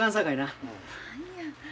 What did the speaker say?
何や。